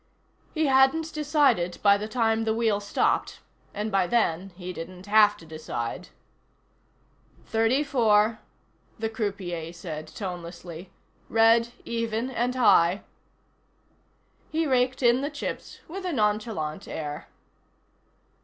He hadn't decided by the time the wheel stopped, and by then he didn't have to decide. "Thirty four," the croupier said tonelessly. "Red, Even and High." He raked in the chips with a nonchalant air.